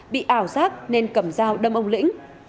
bị ảo sát nên cầm dao đâm ông lĩnh